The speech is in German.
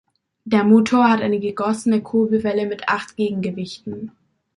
Der Motor hat eine gegossene Kurbelwelle mit acht Gegengewichten.